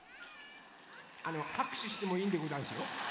あのはくしゅしてもいいんでござんすよ。